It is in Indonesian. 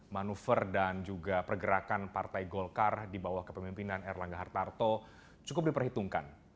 manuver dan juga pergerakan partai golkar di bawah kepemimpinan erlangga hartarto cukup diperhitungkan